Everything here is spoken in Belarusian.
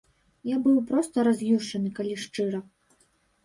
Я быў проста раз'юшаны, калі шчыра.